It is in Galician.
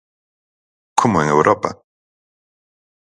Como en Europa.